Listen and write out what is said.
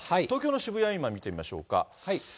東京の渋谷、今、見てみましょうか。